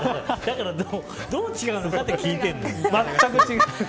だから、どう違うのかって聞いてるの。